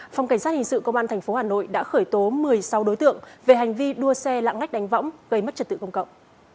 phòng cảnh sát hình sự công an tp hà nội đã khởi tố một mươi sáu đối tượng về hành vi đua xe lạng lách đánh võng gây mất trật tự công cộng